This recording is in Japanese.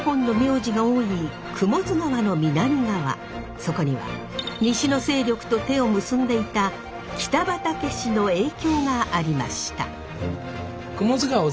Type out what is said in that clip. そこには西の勢力と手を結んでいた北畠氏の影響がありました。